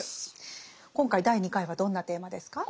今回第２回はどんなテーマですか？